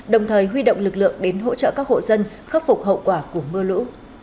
đồng thời huy động lực lượng đến hỗ trợ các hộ dân khắc phục hậu quả của mưa lũ